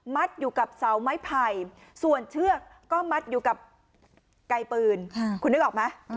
อยู่กับเสาไม้ไผ่ส่วนเชือกก็มัดอยู่กับไกลปืนคุณนึกออกไหม